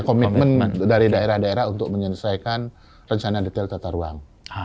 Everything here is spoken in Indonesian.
komitmen dari daerah daerah untuk menyelesaikan rencana detail tata ruang